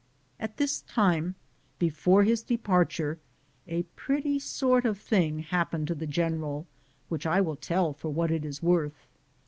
At this time, before his departure, a pretty sort of thing happened to the general, which I will tell for what it is worth.